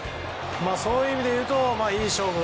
そういう意味で言うといい勝負。